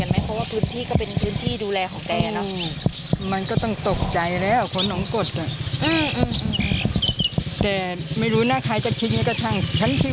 ไม่รู้น่าใครจะคิดอย่างงี้กระทั่งฉันคิดว่าเขาเป็นคนเข้อเท็จกันนั้นเอง